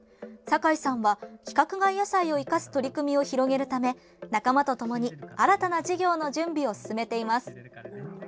堺さんは、規格外野菜を生かす取り組みを広げるため仲間とともに新たな事業の準備を進めています。